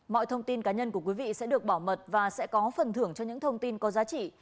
mọi thông tin cá nhân của quý vị sẽ được bảo mật và sẽ có phần thưởng cho những thông tin có giá trị